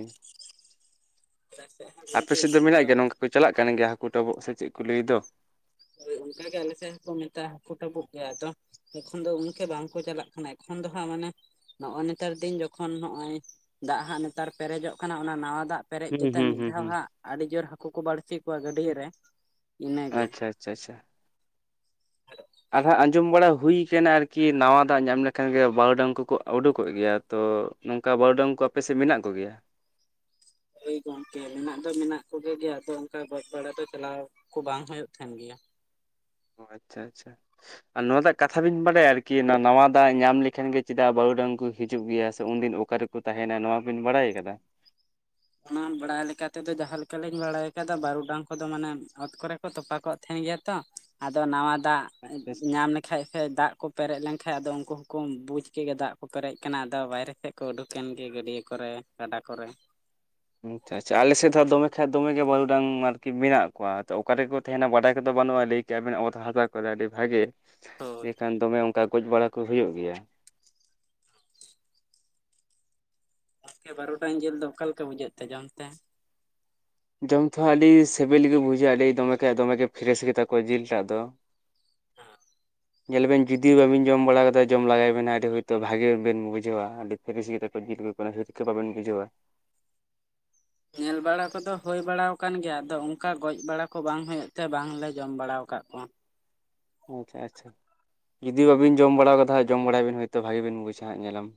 ᱟᱯᱮ ᱵ ᱥᱮᱫ ᱫᱚ ᱢᱮᱱᱟᱜ ᱜᱮᱭᱟ ᱱᱚᱝᱠᱟ [unintelligible] ᱠᱚ ᱪᱟᱞᱟᱜ ᱠᱟᱱ ᱜᱮᱭᱟ ᱦᱟᱹᱠᱩ ᱴᱟᱵᱚᱜ ᱥᱮ ᱪᱮᱫ ᱠᱚ ᱞᱟᱹᱭ ᱫᱚ? ᱚᱱᱠᱟ ᱜᱮ ᱟᱞᱮ ᱥᱮ ᱠᱚ ᱢᱮᱛᱟᱜ-ᱟ᱾ ᱦᱟᱹᱠᱩ ᱴᱟᱵᱩᱜ ᱜᱮ ᱟᱫᱚ ᱮᱠᱷᱚᱱ ᱫᱚ ᱚᱱᱠᱷᱮ ᱵᱟᱝᱠᱚ ᱪᱟᱞᱟᱜ ᱠᱟᱱᱟ ᱮᱠᱷᱚᱱ ᱫᱚ ᱦᱟᱸᱜ ᱢᱟᱱᱮ ᱱᱚᱜᱼᱚᱭ ᱱᱮᱛᱟᱨ ᱫᱤᱱ ᱡᱚᱠᱷᱚᱱ ᱱᱚᱜᱼᱚᱭ ᱫᱟᱜ ᱦᱟᱸᱜ ᱱᱮᱛᱟᱨ ᱯᱮᱨᱮᱡᱚᱜ ᱠᱟᱱᱟ ᱚᱱᱟ ᱱᱟᱣᱟ ᱫᱟᱜ ᱯᱮᱨᱮᱡ ᱦᱩᱸ ᱠᱟᱛᱮᱫ ᱦᱩᱸ ᱢᱤᱫ ᱦᱩᱸ ᱫᱷᱟᱣ ᱦᱩᱸ ᱦᱟᱸᱜ ᱟᱹᱰᱤ ᱡᱳᱨ ᱦᱟᱹᱠᱩ ᱠᱚ ᱵᱟᱹᱲᱥᱤ ᱠᱚᱣᱟ ᱜᱟᱹᱰᱭᱟᱹ ᱨᱮ ᱾ ᱟᱪᱪᱷᱟ ᱟᱪᱷᱟ ᱪᱷᱟ ᱾ ᱟᱫᱷᱟ ᱟᱸᱡᱚᱢ ᱵᱟᱲᱟ ᱦᱩᱭ ᱮᱠᱷᱮᱱ ᱟᱨᱠᱤ ᱱᱟᱣᱟ ᱫᱟᱜ ᱧᱟᱢ ᱞᱮᱠᱷᱟᱱ ᱜᱮ ᱵᱟᱨᱩᱰᱟᱹᱝ ᱠᱚᱠᱚ ᱩᱰᱩᱠᱚᱜ ᱜᱮᱭᱟ ᱛᱚ ᱚᱱᱠᱟ ᱵᱟᱨᱩᱰᱟᱝ ᱠᱚ ᱟᱯᱮ ᱥᱮᱫ ᱢᱮᱱᱟᱜ ᱠᱚ ᱜᱮᱭᱟ? ᱦᱳᱭ ᱜᱚᱝᱠᱮ ᱢᱮᱱᱟᱜ ᱫᱚ ᱢᱮᱱᱟᱜ ᱠᱚᱜᱮ ᱜᱮᱭᱟ ᱟᱫᱚ ᱚᱱᱠᱟ ᱜᱚᱡ ᱵᱟᱲᱟ ᱫᱚ ᱪᱟᱞᱟᱣ ᱠᱚ ᱵᱟᱝ ᱦᱩᱭᱩᱜ ᱛᱟᱦᱮᱱ ᱜᱮᱭᱟ ᱾ ᱚ ᱟᱪᱪᱷᱟ ᱟᱪᱪᱷᱟ ᱾ ᱟᱨ ᱱᱚᱣᱟ ᱴᱟᱜ ᱠᱟᱛᱷᱟ ᱵᱤᱱ ᱵᱟᱰᱟᱭᱟ ᱟᱨᱠᱤ ᱱᱟᱣᱟ ᱫᱟᱜ ᱧᱟᱢ ᱞᱮᱠᱷᱟᱱ ᱜᱮ ᱪᱮᱫᱟᱜ ᱵᱟᱹᱨᱩ ᱰᱟᱝ ᱠᱚ ᱦᱤᱡᱩᱜ ᱜᱮᱭᱟ? ᱥᱮ ᱩᱱᱫᱤᱱ ᱚᱠᱟᱨᱮᱠᱚ ᱛᱟᱦᱮᱱᱟ ᱱᱚᱣᱟ ᱵᱤᱱ ᱵᱟᱲᱟᱭ ᱟᱠᱟᱫᱟ? ᱚᱱᱟ ᱵᱟᱲᱟᱭ ᱞᱮᱠᱟ ᱛᱮᱫᱚ ᱡᱟᱦᱟᱸ ᱞᱮᱠᱟᱞᱤᱧ ᱵᱟᱲᱟᱭ ᱟᱠᱟᱫᱟ ᱵᱟᱨᱩᱰᱟᱝ ᱠᱚᱫᱚ ᱢᱟᱱᱮ ᱚᱛ ᱠᱚᱨᱮ ᱛᱚᱯᱟ ᱠᱚᱜ ᱛᱟᱦᱮᱱ ᱜᱮᱭᱟ ᱛᱚ ᱟᱫᱚ ᱱᱟᱣᱟ ᱫᱟᱜ ᱟᱪᱪᱷᱟ ᱧᱟᱢ ᱞᱮᱠᱷ ᱠᱷᱟᱡ ᱥᱮ ᱫᱟᱜ ᱠᱚ ᱯᱮᱨᱮᱡ ᱞᱮᱱᱠᱷᱟᱱᱡ ᱟᱫᱚ ᱩᱱᱠᱩ ᱦᱚᱸᱠᱚ ᱵᱩᱡ ᱠᱮᱫ ᱜᱮ ᱫᱟᱜ ᱠᱚ ᱯᱮᱨᱮᱡ ᱟᱠᱟᱱᱟ ᱟᱫᱚ ᱵᱟᱭᱨᱮ ᱥᱮᱫ ᱠᱚ ᱩᱰᱩᱠ ᱮᱱ ᱜᱮ ᱜᱟᱹᱰᱭᱟᱹ ᱠᱚᱨᱮ ᱜᱟᱰᱟ ᱠᱚᱨᱮ ᱾ ᱟᱪᱪᱷᱟ ᱟᱪᱪᱷᱟ ᱟᱞᱮ ᱥᱮᱫ ᱫᱚ ᱦᱟᱸᱜ ᱫᱚᱢᱮ ᱠᱷᱮᱛ ᱫᱚᱢᱮ ᱜᱮ ᱵᱟᱨᱩᱰᱟᱝ ᱟᱨᱠᱤ ᱢᱮᱱᱟᱜ ᱠᱚᱣᱟ ᱛᱚ ᱚᱠᱟ ᱨᱮ ᱠᱚ ᱛᱟᱦᱮᱱᱟ ᱵᱟᱰᱟᱭ ᱠᱚᱫᱚ ᱵᱟᱹᱱᱩᱜᱼᱟ ᱞᱟᱹᱭ ᱠᱮᱭᱟ ᱵᱮᱱ ᱨᱮᱱᱟᱜ ᱚᱛ ᱦᱟᱥᱟ ᱠᱚᱨᱮ ᱟᱹᱰᱤ ᱵᱷᱟᱜᱤ ᱦᱳᱭ ᱤᱱᱟᱹᱠᱷᱟᱱ ᱫᱚᱢᱮ ᱚᱱᱠᱟ ᱜᱚᱡ ᱵᱟᱲᱟ ᱠᱚ ᱦᱩᱭᱩᱜ ᱜᱮᱭᱟ ᱾ ᱜᱚᱢᱠᱮ ᱵᱟᱨᱩᱰᱟᱝ ᱡᱤᱞ ᱫᱚ ᱚᱠᱟᱞᱮ ᱞᱮᱠᱟ ᱵᱩᱡᱷᱟᱹᱜ ᱛᱮ ᱡᱚᱢ ᱛᱮ? ᱡᱚᱢ ᱛᱮᱦᱚᱸ ᱟᱹᱰᱤ ᱥᱤᱵᱤᱞ ᱜᱮ ᱵᱩᱡᱷᱟᱹᱜᱼᱟ ᱞᱟᱹᱭ ᱫᱚᱢᱮ ᱠᱷᱟᱡ ᱫᱚᱢᱮ ᱜᱮ ᱯᱷᱨᱮᱥ ᱜᱮᱛᱟ ᱠᱚᱣᱟ ᱡᱤᱞ ᱴᱟᱜ ᱫᱚ ᱾ ᱦᱟᱸ ᱾ ᱧᱮᱞ ᱵᱮᱱ ᱡᱩᱫᱤᱭᱳ ᱵᱟᱹᱵᱤᱱ ᱡᱚᱢ ᱵᱟᱲᱟ ᱠᱟᱫᱟ ᱡᱚᱢ ᱞᱮᱜᱟᱭ ᱵᱤᱱ ᱟᱹᱰᱤ ᱦᱳᱭᱛᱳ ᱵᱷᱟᱜᱤ ᱵᱤᱱ ᱵᱩᱡᱷᱟᱹᱣᱟ ᱟᱹᱰᱤ ᱯᱷᱮᱨᱮᱥ ᱜᱮᱛᱟ ᱠᱚᱣᱟ ᱡᱤᱞ ᱠᱚ ᱠᱚᱱᱳ ᱦᱤᱨᱠᱟᱹ ᱵᱟᱵᱮᱱ ᱵᱩᱡᱷᱟᱹᱣᱟ ᱾ ᱧᱮᱞ ᱵᱟᱲᱟ ᱠᱚᱫᱚ ᱦᱩᱭ ᱵᱟᱲᱟ ᱟᱠᱟᱱ ᱜᱮᱭᱟ ᱟᱫᱚ ᱚᱱᱠᱟ ᱜᱚᱡ ᱵᱟᱲᱟ ᱠᱚ ᱵᱟᱝ ᱦᱩᱭᱩᱜ ᱛᱮ ᱵᱟᱝᱞᱮ ᱡᱚᱢ ᱵᱟᱲᱟ ᱟᱠᱟᱫ ᱠᱚᱣᱟ ᱾ ᱟᱪᱪᱷᱟ ᱟᱪᱪᱷᱟ, ᱡᱩᱫᱤ ᱵᱟᱵᱤᱱ ᱡᱚᱢ ᱵᱟᱲᱟ ᱠᱟᱫᱟ ᱦᱟᱸᱜ ᱡᱚᱢ ᱵᱟᱲᱟᱭ ᱵᱤᱱ ᱦᱳᱭᱛᱳ ᱵᱷᱟᱜᱤ ᱵᱤᱱ ᱵᱩᱡᱟ ᱦᱟᱸᱜ ᱧᱮᱞᱟᱢ ᱾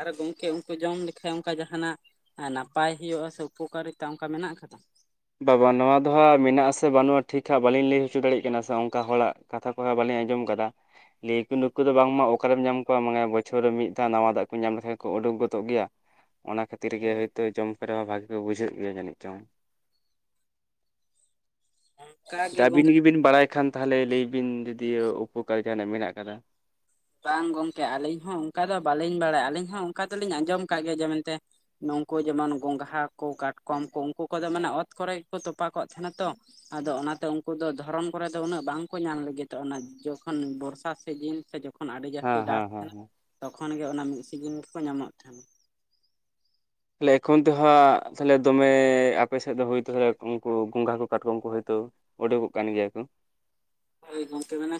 ᱟᱨ ᱜᱚᱝᱠᱮ ᱩᱱᱠᱩ ᱡᱚᱢ ᱞᱮᱠᱷᱟᱡ ᱚᱱᱠᱟ ᱡᱟᱦᱟᱱᱟᱜ ᱟᱨ ᱱᱟᱯᱟᱭ ᱦᱩᱭᱩᱜᱼᱟ, ᱥᱮ ᱩᱯᱚᱠᱟᱨᱤᱛᱟ ᱚᱱᱠᱟ ᱢᱮᱱᱟᱜ ᱟᱠᱟᱫᱟ? ᱵᱟ-ᱵᱟ ᱱᱚᱣᱟ ᱫᱚ ᱦᱟᱸᱜ ᱢᱮᱱᱟᱜ ᱟᱥᱮ ᱵᱟᱹᱱᱩᱜᱼᱟ ᱴᱷᱤᱠ ᱦᱟᱸᱜ ᱵᱟᱹᱞᱤᱧ ᱞᱟᱹᱭ ᱦᱚᱪᱚ ᱫᱟᱲᱮᱜ ᱠᱟᱱᱟ ᱥᱮ ᱚᱱᱠᱟ ᱦᱚᱲᱟᱜ ᱠᱟᱛᱷᱟ ᱠᱚᱦᱚᱸ ᱵᱟᱞᱤᱧ ᱟᱸᱡᱚᱢ ᱟᱠᱟᱫᱟ ᱾ ᱞᱟᱹᱭ ᱠᱚ ᱱᱩᱠᱩ ᱫᱚ ᱵᱟᱝᱢᱟ ᱚᱠᱟᱨᱮᱢ ᱧᱟᱢ ᱠᱚᱣᱟ ᱢᱟᱱᱮ ᱵᱚᱪᱷᱚᱨ ᱨᱮ ᱢᱤᱫ ᱫᱷᱟᱣ ᱱᱟᱣᱟ ᱫᱟᱜ ᱠᱚ ᱧᱟᱢ ᱞᱮᱠᱷᱟᱡ ᱠᱚ ᱩᱰᱩᱠ ᱜᱚᱫᱚᱜ ᱜᱮᱭᱟ ᱾ ᱚᱱᱟ ᱠᱷᱟᱹᱛᱤᱨ ᱜᱮ ᱦᱳᱭ ᱦᱳᱭᱛᱳ ᱡᱚᱢ ᱠᱚᱨᱮ ᱦᱚᱸ ᱵᱷᱟᱜᱤ ᱠᱚ ᱵᱩᱡᱷᱟᱹᱜ ᱜᱮᱭᱟ ᱡᱟᱹᱱᱤᱡ ᱪᱚᱝ? ᱚᱱᱠᱟ ᱦᱮᱸᱛᱚ ᱜᱮ ᱟᱹᱵᱤᱱ ᱜᱚᱝᱠᱮ ᱜᱮᱵᱤᱱ ᱵᱟᱲᱟᱭ ᱠᱷᱟᱱ ᱛᱟᱦᱚᱞᱮ ᱞᱟᱹᱭ ᱵᱤᱱ ᱡᱚᱫᱤᱭᱚ ᱩᱯᱚᱠᱟᱨᱤ ᱡᱟᱦᱟᱱᱟᱜ ᱢᱮᱱᱟᱜ ᱟᱠᱟᱫᱟ ᱾ ᱵᱟᱝ ᱜᱚᱝᱠᱮ ᱟᱹᱞᱤᱧ ᱦᱚᱸ ᱚᱱᱠᱟ ᱫᱚ ᱵᱟᱝᱤᱧ ᱵᱟᱲᱟᱭᱟ ᱟᱹᱞᱤᱧ ᱦᱚᱸ ᱚᱱᱠᱟ ᱫᱚᱞᱤᱧ ᱟᱸᱡᱚᱢ ᱠᱟᱜ ᱜᱮᱭᱟ ᱡᱮ ᱢᱮᱱᱛᱮ ᱱᱩᱝᱠᱩ ᱡᱮᱢᱚᱱ ᱜᱚᱝᱜᱷᱟ ᱠᱚ, ᱠᱟᱴᱠᱚᱢ ᱠᱚ, ᱩᱱᱠᱩ ᱠᱚᱫᱚ ᱢᱟᱱᱮ ᱚᱛ ᱠᱚᱨᱮ ᱜᱮᱠᱚ ᱛᱚᱯᱟ ᱠᱚᱜ ᱛᱟᱦᱮᱱᱟ ᱛᱚ ᱾ ᱟᱫᱚ ᱚᱱᱟᱛᱮ ᱩᱱᱠᱩ ᱫᱚ ᱫᱷᱚᱨᱚᱱ ᱠᱚᱨᱮ ᱫᱚ ᱩᱱᱟᱹᱜ ᱵᱟᱝᱠᱚ ᱧᱟᱢ ᱞᱟᱹᱜᱤᱫᱚᱜᱼᱟ ᱚᱱᱟ ᱡᱚᱠᱷᱚᱱ ᱵᱚᱨᱥᱟ ᱥᱤᱡᱤᱱ ᱥᱮ ᱡᱚᱠᱷᱚᱱ ᱛᱚᱠᱷᱚᱱ ᱟᱹᱰᱤ ᱡᱟᱹᱥᱛᱤ ᱦᱮᱸ ᱫᱟᱜ ᱦᱮᱸ ᱦᱮᱸ ᱛᱟᱦᱮᱱᱟ ᱦᱮᱸ ᱛᱚᱠᱷᱚᱱ ᱜᱮ ᱚᱱᱟ ᱢᱤᱫ ᱥᱤᱡᱤᱱ ᱜᱮᱠᱚ ᱧᱟᱢᱚᱜ ᱛᱟᱦᱮᱱᱟ ᱾ ᱛᱟᱦᱮ ᱮᱠᱷᱚᱱ ᱛᱚ ᱦᱟᱸᱜ ᱛᱟᱦᱞᱮ ᱫᱚᱢᱮ ᱟᱯᱮ ᱥᱮᱫ ᱫᱚ ᱦᱳᱭᱛᱚ ᱛᱟᱦᱞᱮ ᱩᱱᱠᱩ ᱜᱚᱸᱜᱷᱟ ᱠᱚ ᱠᱟᱴᱠᱚᱢ ᱠᱚ ᱦᱳᱭᱛᱚ ᱩᱰᱩᱠᱚᱜ ᱠᱟᱱ ᱜᱮᱭᱟ ᱠᱚ ᱾ ᱦᱳᱭ ᱜᱚᱝᱠᱮ ᱢᱟᱱᱮ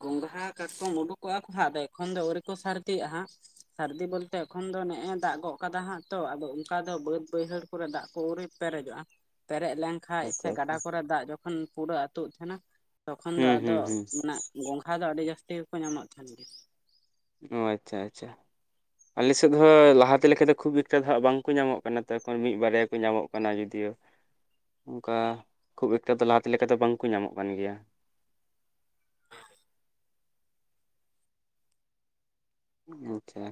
ᱜᱚᱸᱜᱷᱟ, ᱠᱟᱴᱠᱚᱢ ᱩᱰᱩᱠᱚᱜᱼᱟ ᱠᱚ ᱦᱟᱸᱜ ᱟᱫᱚ ᱮᱠᱷᱚᱱ ᱫᱚ ᱟᱹᱣᱨᱤ ᱠᱚ ᱥᱟᱨᱫᱤᱜᱼᱟ ᱦᱟᱸᱜ ᱾ ᱥᱟᱹᱨᱫᱤ ᱵᱚᱞᱛᱮ ᱮᱠᱷᱚᱱ ᱫᱚ ᱱᱮᱜᱼ ᱮ ᱫᱟᱜ ᱜᱚᱜ ᱠᱟᱫᱟ ᱦᱟᱸᱜ ᱛᱚ ᱟᱫᱚ ᱚᱱᱠᱟ ᱫᱚ ᱵᱟᱹᱫ ᱵᱟᱹᱭᱦᱟᱹᱲ ᱠᱚᱨᱮ ᱫᱟᱜ ᱠᱚ ᱯᱣᱩᱨᱨᱤ ᱯᱮᱨᱮᱡᱚᱜᱼᱟ ᱯᱩᱨᱟ ᱫᱟᱜ ᱠᱚ ᱟᱣᱨᱤ ᱯᱮᱨᱮᱡᱚᱜᱼᱟ, ᱯᱮᱨᱮᱡ ᱞᱮᱱᱠᱟᱱᱡ ᱥᱮ ᱟᱪᱪᱷᱟ ᱟᱪᱪᱷᱟ ᱜᱟᱰᱟ ᱠᱚᱨᱮ ᱫᱟᱜ ᱡᱚᱠᱷᱚᱱ ᱯᱩᱨᱟᱹ ᱟᱹᱛᱩᱜ ᱛᱟᱦᱮᱱᱟ ᱛᱚᱠᱷᱚᱱ ᱫᱚ ᱦᱩᱸ ᱦᱩᱸ ᱟᱫᱚ ᱦᱩᱸ ᱢᱟᱱᱮ ᱜᱚᱝᱜᱷᱟ ᱫᱚ ᱟᱹᱰᱤ ᱡᱟᱹᱥᱛᱤ ᱜᱮᱠᱚ ᱧᱟᱢᱚᱜ ᱛᱟᱦᱮᱱ ᱜᱮᱭᱟ ᱾ ᱚ ᱟᱪᱪᱷᱟ ᱟᱪᱪᱷᱟ ᱾ ᱟᱞᱮ ᱥᱮᱫ ᱦᱚᱸ ᱞᱟᱦᱟᱛᱮ ᱞᱮᱠᱟ ᱫᱚ ᱠᱷᱩᱵ ᱮᱠᱴᱟ ᱫᱚ ᱦᱟᱸᱜ ᱵᱟᱝᱠᱚ ᱧᱟᱢᱚᱜ ᱠᱟᱱᱟ ᱛᱚ ᱮᱠᱷᱚᱱ ᱢᱤᱫ ᱵᱟᱨᱭᱟ ᱠᱚ ᱧᱟᱢᱚᱜ ᱠᱟᱱᱟ ᱡᱩᱫᱤᱭᱳ ᱾ ᱚᱱᱠᱟ ᱠᱷᱩᱵ ᱮᱠᱴᱟ ᱫᱚ ᱞᱟᱦᱟ ᱛᱮ ᱞᱮᱠᱟ ᱫᱚ ᱵᱟᱝᱠᱚ ᱧᱟᱢᱚᱜ ᱠᱟᱱ ᱜᱮᱭᱟ ᱾ ᱦᱮᱸ ᱦᱮᱸ ᱟᱪᱪᱷᱟ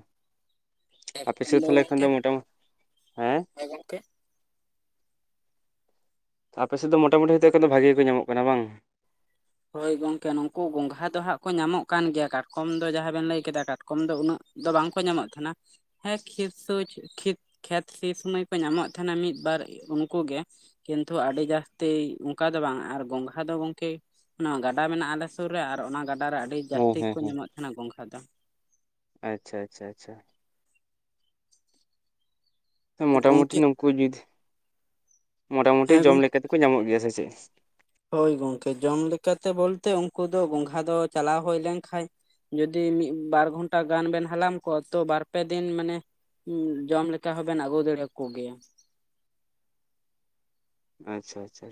ᱟᱯᱮ ᱮᱠᱷᱚᱱ ᱥᱮᱫ ᱛᱟᱦᱚᱞᱮ ᱠᱷᱟᱱ ᱜᱚᱝᱠᱮ ᱫᱚ ᱢᱳᱴᱟᱢ ᱦᱮᱸ ᱦᱳᱭ ᱜᱚᱝᱠᱮ ᱟᱯᱮᱥᱮᱫ ᱫᱚ ᱢᱚᱴᱟᱢᱩᱴᱤ ᱦᱚᱳ ᱛᱚ ᱱᱮᱛᱚᱜ ᱫᱚ ᱵᱷᱟᱜᱮ ᱜᱮ ᱠᱚ ᱧᱟᱢᱚᱜ ᱠᱟᱱᱟ ᱵᱟᱝ? ᱦᱳᱭ ᱜᱚᱝᱠᱮ ᱱᱩᱠᱩ ᱜᱚᱸᱜᱷᱟ ᱫᱚ ᱦᱟᱸᱜ ᱠᱚ ᱧᱟᱢᱚᱜ ᱠᱟᱱ ᱜᱮᱭᱟ ᱠᱟᱴᱠᱚᱢ ᱫᱚ ᱡᱟᱦᱟᱸ ᱵᱮᱱ ᱞᱟᱹᱭ ᱠᱮᱫᱟ ᱠᱟᱴᱠᱚᱢ ᱫᱚ ᱩᱱᱟᱹᱜ ᱫᱚ ᱵᱟᱝᱠᱚ ᱧᱟᱢᱚᱜ ᱛᱟᱦᱮᱱᱟ᱾ ᱦᱮᱸ ᱠᱷᱮᱛ ᱥᱳᱪ ᱠᱷᱮᱛ ᱠᱷᱮᱛ ᱥᱤ ᱥᱳᱢᱚᱭ ᱠᱚ ᱧᱟᱢᱚᱜ ᱛᱟᱦᱮᱱᱟ ᱢᱤᱫ ᱵᱟᱨ ᱩᱱᱠᱩ ᱜᱮ᱾ ᱠᱤᱱᱛᱩ ᱟᱹᱰᱤ ᱡᱟᱹᱥᱛᱤ ᱚᱱᱠᱟ ᱫᱚ ᱵᱟᱝ ᱟᱨ ᱜᱚᱝᱜᱷᱟ ᱫᱚ ᱜᱚᱝᱠᱮ ᱚᱱᱟ ᱜᱟᱰᱟ ᱢᱮᱱᱟᱜᱼᱟ ᱟᱞᱮ ᱥᱩᱨ ᱨᱮ ᱟᱨ ᱚᱱᱟ ᱜᱟᱰᱟ ᱨᱮ ᱟᱹᱰᱤ ᱦᱮᱸ ᱡᱟᱹᱥᱛᱤ ᱦᱮᱸ ᱠᱚ ᱦᱮᱸ ᱧᱟᱢᱚᱜ ᱛᱟᱦᱮᱱᱟ ᱜᱚᱝᱠᱷᱟ ᱫᱚ᱾ ᱟᱪᱪᱷᱟ ᱟᱪᱪᱷᱟ ᱟᱪᱷᱟ ᱢᱚᱴᱟᱢᱩᱴᱤ ᱜᱚᱝᱠᱮ ᱱᱩᱠᱩ ᱡᱩᱫ, ᱢᱚᱴᱟᱢᱩᱴᱤ ᱦᱮᱸ ᱡᱚᱢ ᱜᱚᱝᱠᱮ ᱞᱮᱠᱟ ᱛᱮᱠᱚ ᱧᱟᱢᱚᱜ ᱜᱮᱭᱟ ᱥᱮ ᱪᱮᱫ? ᱦᱳᱭ ᱜᱚᱝᱠᱮ ᱡᱚᱢ ᱞᱮᱠᱟᱛᱮ ᱵᱚᱞᱛᱮ, ᱩᱱᱠᱩ ᱫᱚ ᱜᱚᱝᱜᱷᱟ ᱫᱚ ᱪᱟᱞᱟᱣ ᱦᱩᱭ ᱞᱮᱱᱠᱷᱟᱡ ᱡᱩᱫᱤ ᱢᱤᱫ ᱵᱟᱨ ᱜᱷᱚᱱᱴᱟ ᱜᱟᱱ ᱵᱮᱱ ᱦᱟᱞᱟᱝ ᱠᱚᱣᱟ ᱛᱚ ᱵᱟᱨᱯᱮ ᱫᱤᱱ ᱢᱟᱱᱮ ᱡᱚᱢ ᱞᱮᱠᱟ ᱦᱚᱸᱵᱮᱱ ᱟᱹᱜᱩ ᱫᱟᱲᱮᱭᱟ ᱠᱚ ᱜᱮᱭᱟ᱾ ᱟᱪᱪᱷᱟ ᱟᱪᱷᱟ